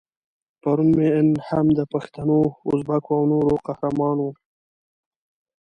پرون هم د پښتنو، ازبکو او نورو قهرمان وو.